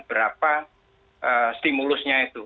berapa stimulusnya itu